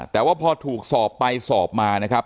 แต่ว่าพอถูกสอบไปสอบมานะครับ